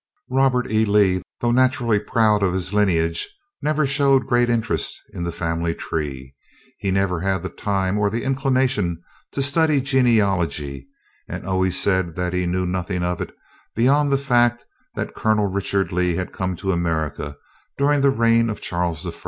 Robert E. Lee, though naturally proud of his lineage, never showed great interest in the family tree. He never had the time or the inclination to study genealogy, and always said that he knew nothing of it beyond the fact that Colonel Richard Lee had come to America during the reign of Charles I.